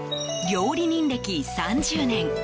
料理人歴３０年。